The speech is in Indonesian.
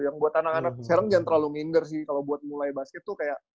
yang buat anak anak sekarang jangan terlalu minder sih kalau buat mulai basket tuh kayak